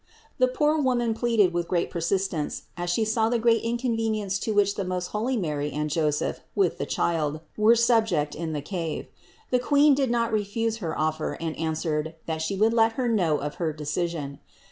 The poor woman pleaded with great persistence, as she saw the great inconvenience to which the most holy Mary and Joseph with the Child were subject in the cave. The Queen did not refuse her offer and answered, that She would let her know of her decision.